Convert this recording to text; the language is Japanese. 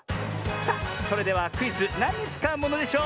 さあそれではクイズ「なんにつかうものでショー」